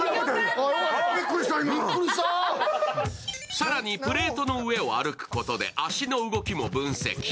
更にプレートの上を歩くことで足の動きも分析。